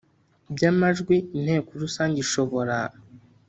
by amajwi Inteko rusange ishobora